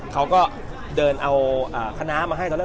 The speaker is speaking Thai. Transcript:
เขาก็เดินเอาคณะมาให้